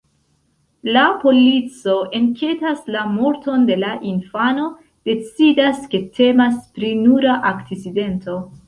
La polico enketas la morton de la infano, decidas, ke temas pri nura akcidento.